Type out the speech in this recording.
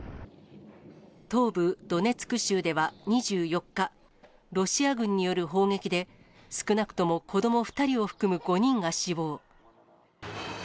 東部ドネツク州では２４日、ロシア軍による砲撃で、少なくとも子ども２人を含む５人が死亡。